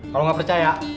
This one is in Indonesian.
kalau gak percaya